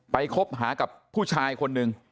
คบหากับผู้ชายคนหนึ่ง